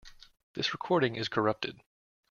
This recording is corrupted.